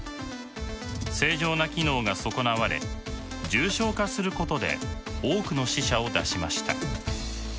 正常な機能が損なわれ重症化することで多くの死者を出しました。